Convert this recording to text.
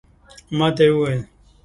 ماته یې وویل